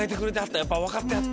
やっぱ分かってはって。